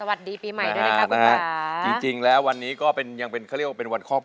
ไม่คิดจะห้ามสักนิดเลยนะครับ